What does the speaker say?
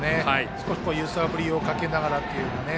少し揺さぶりをかけながらというね。